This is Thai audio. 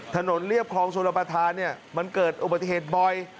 ถนนเรียบคลองสวรรพาทามันเกิดอุบัติเหตุบ่อย